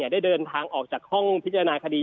ได้เดินทางออกจากห้องพิจารณาคดี